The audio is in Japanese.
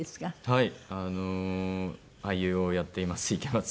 はい。